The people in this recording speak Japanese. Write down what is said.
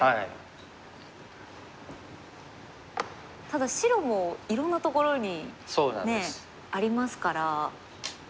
ただ白もいろんなところにありますから。